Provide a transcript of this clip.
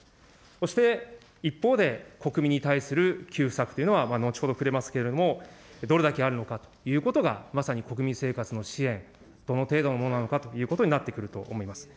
そして、一方で国民に対する給付策というのは、後ほど触れますけれども、どれだけあるのかということがまさに国民生活の支援、どの程度のものなのかということになってくると思います。